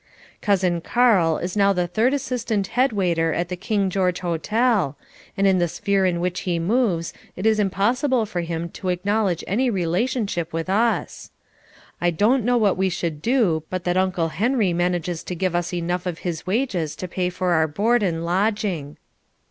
Cousin Karl is now the Third Assistant Head Waiter at the King George Hotel, and in the sphere in which he moves it is impossible for him to acknowledge any relationship with us. I don't know what we should do but that Uncle Henry manages to give us enough of his wages to pay for our board and lodging.